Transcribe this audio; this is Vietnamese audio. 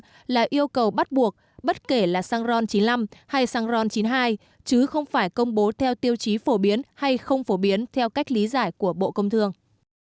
các doanh nghiệp tự công bố trong các mặt hàng xăng là yêu cầu bắt buộc bất kể là xăng ron chín mươi năm hay xăng ron chín mươi hai chứ không phải công bố theo tiêu chí phổ biến hay không phổ biến theo cách lý giải của bộ công thương